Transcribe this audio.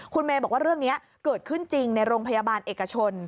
คุณเมย์บอกว่าเรื่องนี้เกิดขึ้นจริงในโรงพยาบาลเอกชน